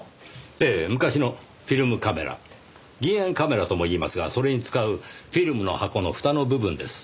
ええ昔のフィルムカメラ銀塩カメラとも言いますがそれに使うフィルムの箱のふたの部分です。